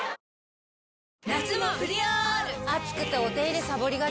暑くてお手入れさぼりがち。